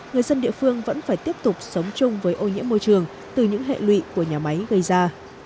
người dân địa phương vẫn phải tiếp tục sống chung với ô nhiễm môi trường từ những hệ lụy của nhà máy gây ra